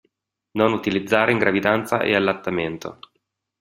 Non utilizzare in gravidanza e allattamento.